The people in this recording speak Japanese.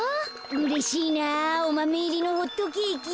うれしいなおマメいりのホットケーキ。